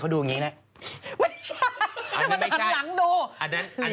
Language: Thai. เขาดูอย่างเงี้ย